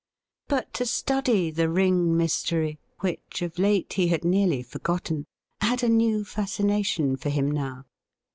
But to study the ring mystery, which of late he had nearly forgotten, had a new fascination for him now.